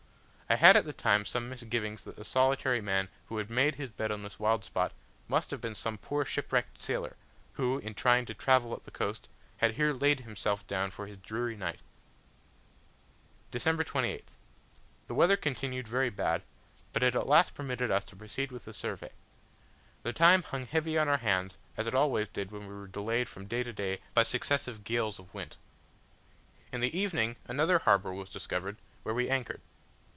I had at the time some misgivings that the solitary man who had made his bed on this wild spot, must have been some poor shipwrecked sailor, who, in trying to travel up the coast, had here laid himself down for his dreary night. December 28th. The weather continued very bad, but it at last permitted us to proceed with the survey. The time hung heavy on our hands, as it always did when we were delayed from day to day by successive gales of wind. In the evening another harbour was discovered, where we anchored.